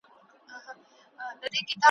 چي په افغانستان کي یې ږغول ناروا دي، ږغوي `